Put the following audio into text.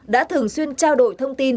đã thường xuyên trao đổi thông tin